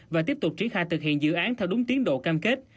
và tiếp tục triển khai thực hiện dự án theo đúng tiến độ cam kết